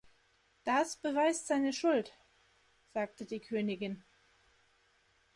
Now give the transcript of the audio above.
‚Das beweist seine Schuld‘, sagte die Königin.